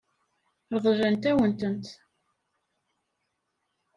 Ṛeḍlent-awen-tent.